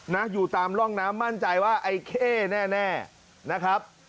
นะอยู่ตามร่องน้ำมั่นใจว่าไอ้เข้แน่นะครับ